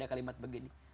ada kalimat begini